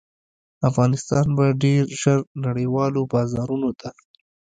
افغانستان به ډیر ژر نړیوالو بازارونو ته